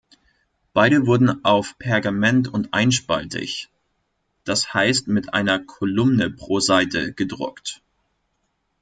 Beide wurden auf Pergament und einspaltig, das heißt mit einer Kolumne pro Seite, gedruckt.